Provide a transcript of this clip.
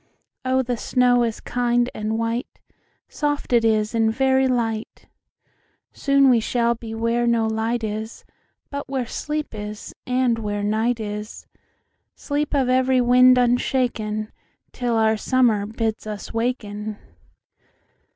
Oh, the snow is kind and white,—Soft it is, and very light; Soon we shall be where no light is, But where sleep is, and where night is,—Sleep of every wind unshaken, Till our Summer bids us waken."